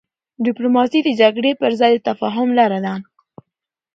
ډيپلوماسي د جګړې پر ځای د تفاهم لاره ده.